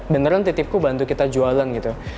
beneran titipku bantu kita jualan gitu